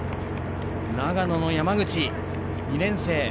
長野の山口、２年生。